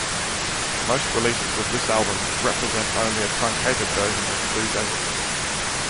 Most releases of this album represent only a truncated version of "Blue Desert".